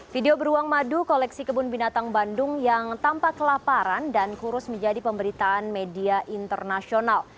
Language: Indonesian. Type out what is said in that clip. video beruang madu koleksi kebun binatang bandung yang tampak kelaparan dan kurus menjadi pemberitaan media internasional